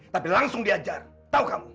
tapi langsung diajar tahu kamu